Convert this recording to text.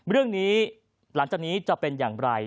เรื่องนี้หลังจากนี้จะเป็นอย่างไร